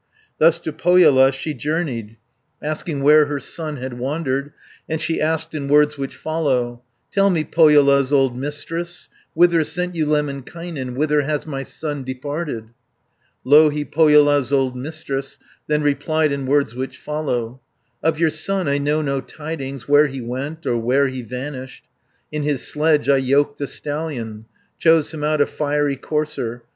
Thus to Pohjola she journeyed, Asking where her son had wandered, And she asked in words which follow: "Tell me, Pohjola's old Mistress, 60 Whither sent you Lemminkainen, Whither has my son departed?" Louhi, Pohjola's old Mistress, Then replied in words which follow: "Of your son I know no tidings, Where he went, or where he vanished. In his sledge I yoked a stallion, Chose him out a fiery courser.